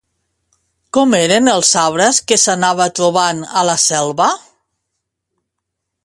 Com eren els arbres que s'anava trobant a la selva?